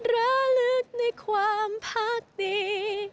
ระลึกในความพักดี